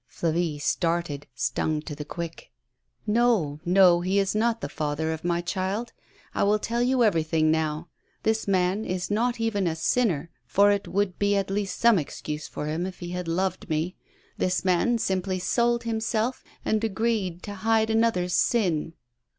Flavie started, stung to the quick. " No, no, he is not the father of my child. I will tell you everything now. This man is not even a sinner, for it would be at least some excuse for him if he had loved me. This man simply sold himself and agreed to hide another's sin."